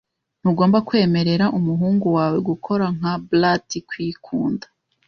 Ntugomba kwemerera umuhungu wawe gukora nka brat kwikunda .